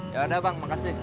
ya udah bang makasih